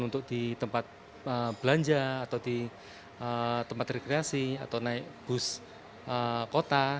untuk di tempat belanja atau di tempat rekreasi atau naik bus kota